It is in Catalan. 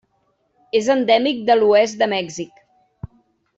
És endèmic de l'oest de Mèxic.